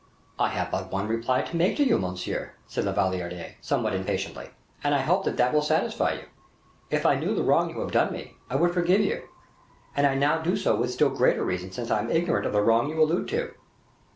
"I have but one reply to make to you, monsieur," said La Valliere, somewhat impatiently, "and I hope that will satisfy you. If I knew the wrong you have done me, I would forgive you, and I now do so with still greater reason since I am ignorant of the wrong you allude to."